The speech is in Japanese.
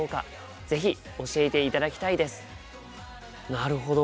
なるほど。